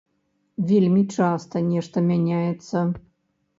Вельмі часта нешта мяняецца.